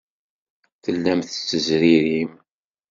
Tellam tettezririm.